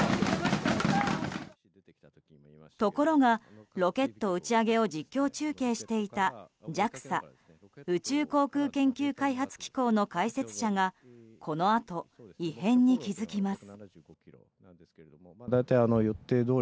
ところが、ロケット打ち上げを実況中継していたＪＡＸＡ・宇宙航空研究開発機構の解説者がこのあと、異変に気付きます。